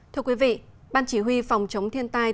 thưa quý vị ban chỉ huy phòng chống thiên tai